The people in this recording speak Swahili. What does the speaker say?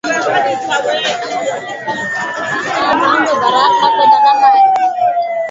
Imeongeza uzito wa hoja ya Tanzania kuwa chimbuko la binadamu